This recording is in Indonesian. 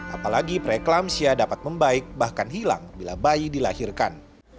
apalagi preeklampsia dapat membaik bahkan hilang bila bayi dilahirkan